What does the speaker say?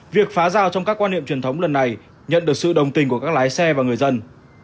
việc phá rào trong các quan niệm truyền thống lần này nhận được sự đồng tình của các lái xe và người dân